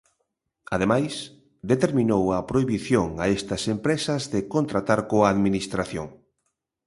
Ademais, determinou a prohibición a estas empresas de contratar coa Administración.